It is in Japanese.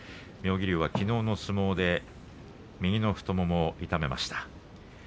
妙義龍はきのうの相撲で右の太ももを痛めました。